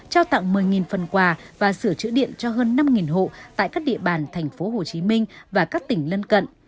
trao tặng một mươi phần quà và sửa chữa điện cho hơn năm hộ tại các địa bàn tp hcm và các tỉnh lân cận